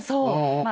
まあ